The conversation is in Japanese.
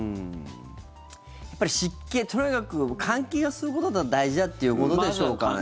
やっぱり湿気とにかく換気をすることが大事だってことでしょうかね。